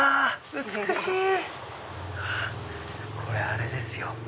これあれですよ。